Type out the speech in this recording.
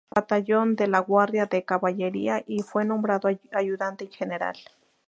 Batallón de la Guardia de caballería y fue nombrado ayudante general.